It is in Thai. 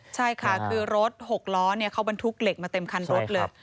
ใช่ค่ะคือรถ๖ล้อเขาบรรทุกเหล็กมาเต็มคันรถเลย